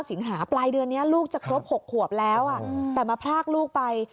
สิงหาปลายเดือนนี้ลูกจะครบ๖ขวบแล้วแต่มาพรากลูกไป